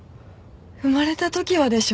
生まれたときはでしょ？